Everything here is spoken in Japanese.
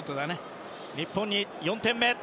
日本に４点目。